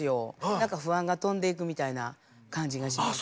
何か不安が飛んでいくみたいな感じがします。